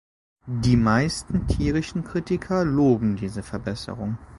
Die meisten tierischen Kritiker loben diese „Verbesserung“.